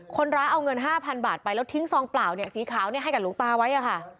คนร้าเอาเงินห้าพันบาทไปแล้วทิ้งซองเปล่าสีขาวให้กับหลวงตาไว้